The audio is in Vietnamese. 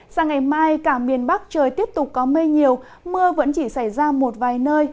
sang ngày mai cả miền bắc trời tiếp tục có mây nhiều mưa vẫn chỉ xảy ra một vài nơi